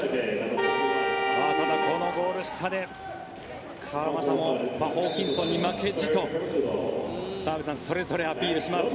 ただ、このゴール下で川真田もホーキンソンに負けじと澤部さんそれぞれアピールします。